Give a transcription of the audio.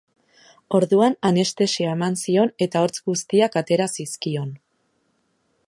Orduan anestesia eman zion eta hortz guztiak atera zizkion.